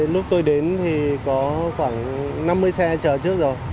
lúc tôi đến thì có khoảng năm mươi xe chờ trước rồi